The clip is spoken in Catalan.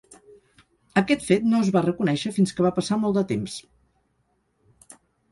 Aquest fet no es va reconèixer fins que va passar molt de temps.